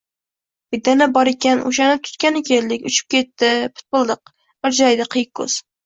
Bedana bor ekan, oʻshani tutgani keldik. Uchib ketdi: bit-bildiq, – irjaydi qiyiqkoʻz.